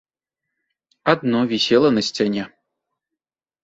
Адно вісела на сцяне.